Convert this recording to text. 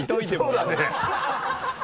そうだね